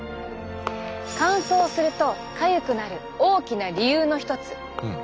乾燥するとかゆくなる大きな理由の一つ。